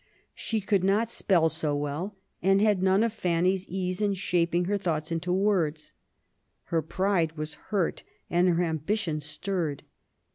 She could not spell so well^ and had none of Fanny's ease in shaping her thoughts into words. Her pride was hurt and her ambition stirred.